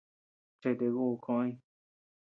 Cheche ku koʼoy.